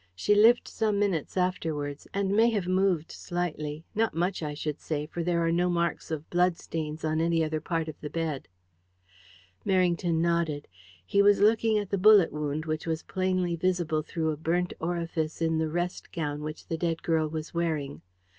She lived some minutes afterwards, and may have moved slightly not much, I should say, for there are no marks of bloodstains on any other part of the bed." Merrington nodded. He was looking at the bullet wound, which was plainly visible through a burnt orifice in the rest gown which the dead girl was wearing.